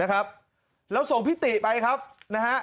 ราวส่งพิติไปนะฮะ